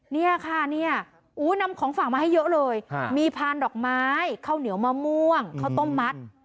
เนี่ยค่ะเนี่ยนำของฝากมาให้เยอะเลยมีพานดอกไม้ข้าวเหนียวมะม่วงข้าวต้มมัด